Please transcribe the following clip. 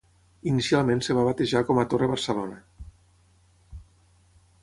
Inicialment es va batejar com a Torre Barcelona.